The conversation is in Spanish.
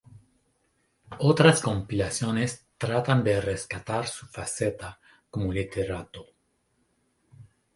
Otras compilaciones tratan de rescatar su faceta como literato.